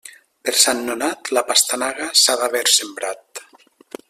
Per Sant Nonat, la pastanaga s'ha d'haver sembrat.